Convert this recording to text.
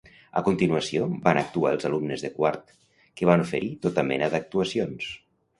A continuació van actuar els alumnes de quart, que van oferir tota mena d'actuacions.